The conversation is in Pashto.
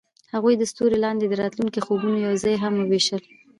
هغوی د ستوري لاندې د راتلونکي خوبونه یوځای هم وویشل.